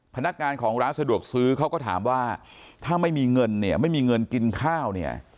พนักงานของร้านสะดวกซื้อเขาก็ถามว่าถ้าไม่มีเงินเนี่ยไม่มีเงินกินข้าวเนี่ย